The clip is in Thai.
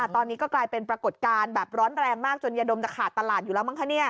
ตอนนี้ก็กลายเป็นปรากฏการณ์แบบร้อนแรงมากจนยาดมจะขาดตลาดอยู่แล้วมั้งคะ